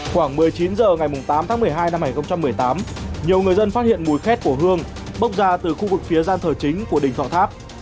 khoảng một mươi chín h ngày tám tháng một mươi hai năm hai nghìn một mươi tám nhiều người dân phát hiện mùi khét của hương bốc ra từ khu vực phía gian thờ chính của đình thọ tháp